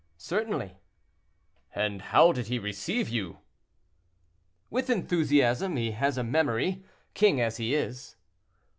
"Certainly." "And how did he receive you?" "With enthusiasm; he has a memory, king as he is."